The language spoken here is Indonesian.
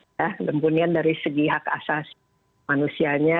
ya kelembunian dari segi hak asasi manusianya